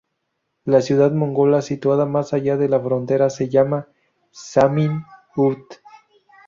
La ciudad mongola situada más allá de la frontera se llama Zamyn-Üüd.